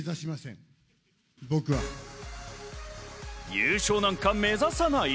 優勝なんか目指さない？